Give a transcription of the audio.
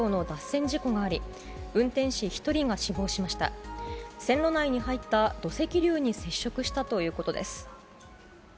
線路内に入った土石流に接触したということです。